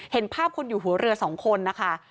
เห็นภาพคนอยู่หัวเรือสองคนนะคะ